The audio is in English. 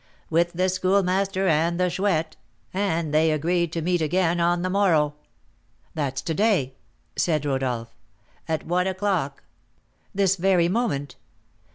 "With the Schoolmaster and the Chouette; and they agreed to meet again on the morrow." "That's to day!" said Rodolph. "At one o'clock." "This very moment!"